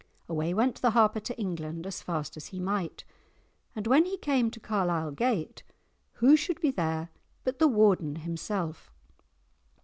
Away went the Harper to England as fast as he might, and when he came to Carlisle gate, who should be there but the Warden himself?